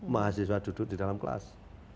mahasiswa duduk di dalam kelas